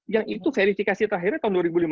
yang itu verifikasi terakhirnya tahun dua ribu lima belas